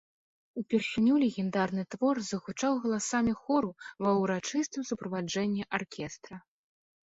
Упершыню легендарны твор загучаў галасамі хору ва ўрачыстым суправаджэнні аркестра.